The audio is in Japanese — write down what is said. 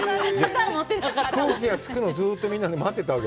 飛行機が着くの、みんなで待ってたわけ